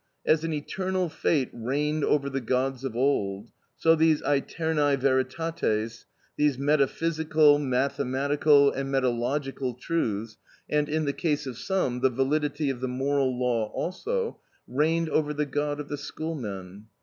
As an eternal fate reigned over the gods of old, so these aeternæ veritates, these metaphysical, mathematical and metalogical truths, and in the case of some, the validity of the moral law also, reigned over the God of the schoolmen.